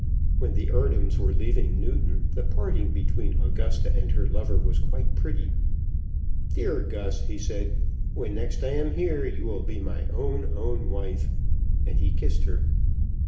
When the Eardhams were leaving Newton the parting between Augusta and her lover was quite pretty. "Dear Gus," he said, "when next I am here, you will be my own, own wife," and he kissed her.